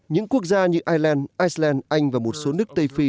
những quốc gia như ireland iceland anh và một số nước tây phi